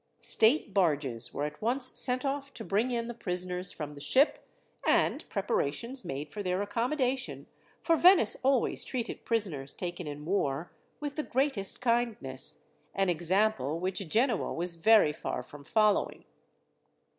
State barges were at once sent off to bring in the prisoners from the ship, and preparations made for their accommodation, for Venice always treated prisoners taken in war with the greatest kindness, an example which Genoa was very far from following.